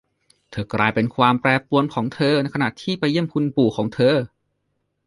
เธอกลายเป็นความแปรปรวนของเธอในขณะที่ไปเยี่ยมคุณปู่ของเธอ